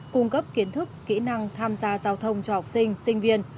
cung cấp kiến thức kỹ năng tham gia giao thông cho học sinh sinh viên